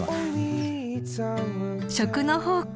［食の宝庫